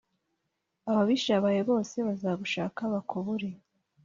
ababisha bawe bose bazagushaka bakubure